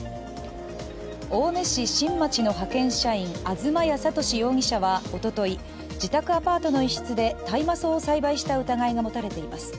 青梅市新町の派遣社員東谷賢容疑者はおととい、自宅アパートの一室で大麻草を栽培した疑いが持たれています。